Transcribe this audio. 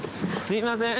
すいません。